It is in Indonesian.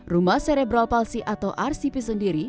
rumah serebral palsi atau rcp sendiri